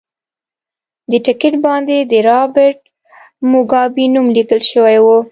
د ټکټ باندې د رابرټ موګابي نوم لیکل شوی و.